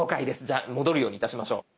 じゃあ戻るようにいたしましょう。